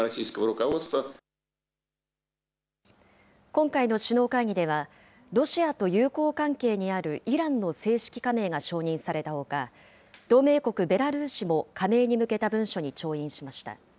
今回の首脳会議では、ロシアと友好関係にあるイランの正式加盟が承認されたほか、同盟国ベラルーシも加盟に向けた文書に調印しました。